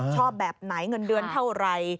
ชอบแบบไหนเงินเดือนเท่าไหร่